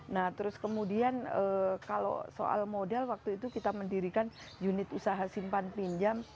nah terus kemudian kalau soal modal waktu itu kita mendirikan unit usaha simpan pinjam